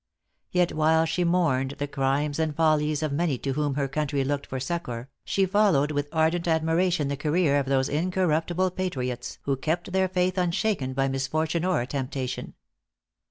Yet while she mourned the crimes and follies of many to whom her country looked for succor, she followed with ardent admiration the career of those incorruptible patriots who kept their faith unshaken by misfortune or temptation.